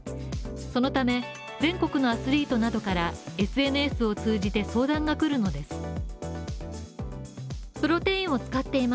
そのため、全国のアスリートなどからＳＮＳを通じて相談が来るのです。